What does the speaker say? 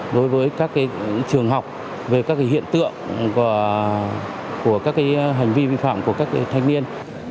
đối với các trường học về các hiện tượng của các hành vi vi phạm của các thanh niên